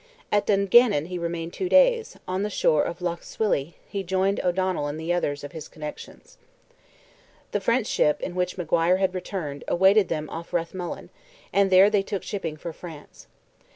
At Dungannon he remained two days, and on the shore of Lough Swilly he joined O'Donnell and others of his connexions. The French ship, in which Maguire had returned, awaited them off Rathmullen, and there they took shipping for France.